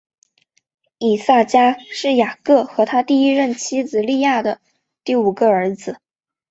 以萨迦是雅各和他第一任妻子利亚的第五个儿子。